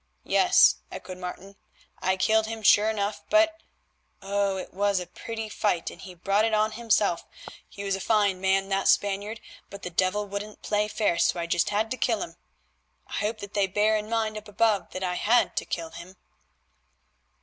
"Yes," echoed Martin, "I killed him sure enough, but—oh! it was a pretty fight, and he brought it on himself. He was a fine man, that Spaniard, but the devil wouldn't play fair, so I just had to kill him. I hope that they bear in mind up above that I had to kill him."